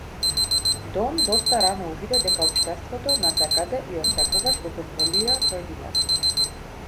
Дон доста рано увиде дека општеството насекаде и отсекогаш го контролира поединецот.